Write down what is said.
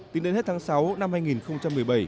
tính đến hết tháng sáu năm hai nghìn một mươi bảy